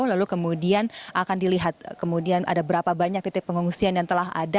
lalu kemudian akan dilihat kemudian ada berapa banyak titik pengungsian yang telah ada